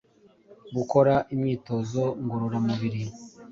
gukora imyitozo ngorora mubiri